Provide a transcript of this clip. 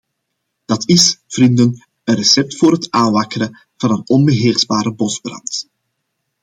Dat is, vrienden, een recept voor het aanwakkeren van een onbeheersbare bosbrand.